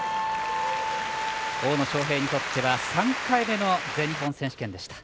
大野将平にとっては３回目の全日本選手権でした。